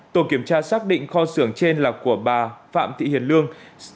tổ kiểm tra xác định kho xưởng trên là của bà phạm thị hiền lương